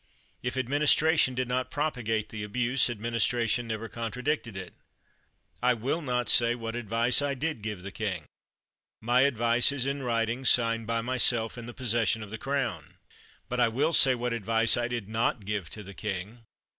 If administration did not propagate the abuse, administration never contradicted it. I will not say what advice I did give the king. My advice is in writing, signed by myself, in the possession of the Crown. But I will say what advice I did not give to the king.